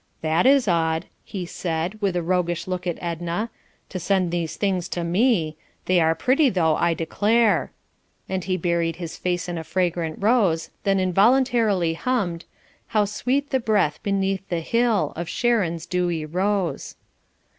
"That is odd," he said, with a roguish look at Edna, "to send these things to me; they are pretty, though, I declare," and he buried his face in a fragrant rose, then involuntarily hummed "How sweet the breath beneath the hill. Of Sharon's dewy rose."